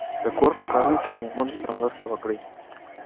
د کور په کارونو کې له میرمنو سره مرسته وکړئ.